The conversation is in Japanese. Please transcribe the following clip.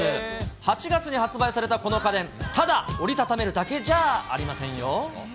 ８月に発売されたこの家電、ただ折り畳めるだけじゃありませんよ。